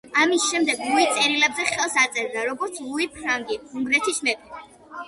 ამის შემდეგ, ლუი წერილებზე ხელს აწერდა როგორც „ლუი ფრანგი, უნგრეთის მეფე“.